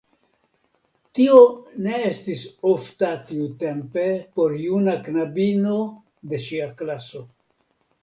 Tio ne estis ofta tiutempe por juna knabino de ŝia klaso.